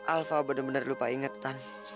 alva benar benar lupa inget tan